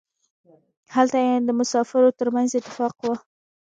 هلته یې د مسافرو ترمنځ اتفاق و.